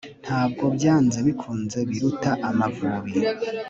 ntabwo byanze bikunze biruta Amavubi –